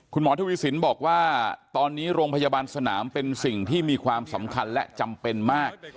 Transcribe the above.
คุณหมอทวีสินบอกว่าตอนนี้โรงพยาบาลสนามเป็นสิ่งที่มีความสำคัญและจำเป็นมาก